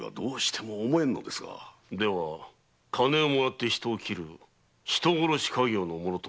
金をもらって人を斬る人殺し稼業の者だと？